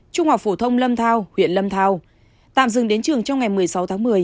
trung học phổ thông lâm thao huyện lâm thao tạm dừng đến trường trong ngày một mươi sáu tháng một mươi